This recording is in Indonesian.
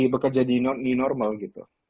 bekerja di normal gitu